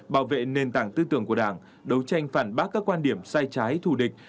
bảo vệ nền tảng tư tưởng của đảng đấu tranh phản bác các quan điểm sai trái thù địch